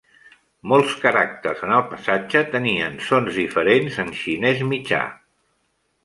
Molts caràcters en el passatge tenien sons diferents en xinès mitjà.